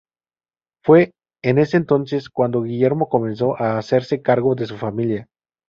Fue en ese entonces cuando Guillermo comenzó a hacerse cargo de su familia.